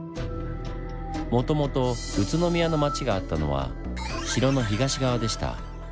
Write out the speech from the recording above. もともと宇都宮の町があったのは城の東側でした。